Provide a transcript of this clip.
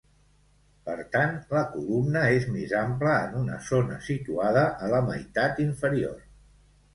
Per tant, la columna és més ampla en una zona situada a la meitat inferior.